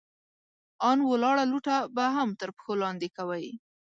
ان ولاړه لوټه به هم تر پښو لاندې کوئ!